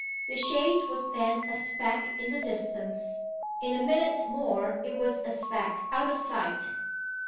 The chaise was then a speck in the distance. In a minute more it was a speck out of sight.